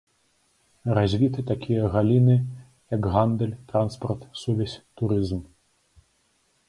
Развіты такія галіны, як гандаль, транспарт, сувязь, турызм.